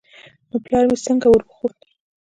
نو پلار مې څنگه وروخوت.